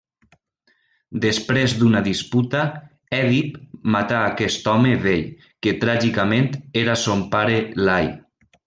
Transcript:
Després d'una disputa, Èdip mata aquest home vell, que tràgicament era son pare Lai.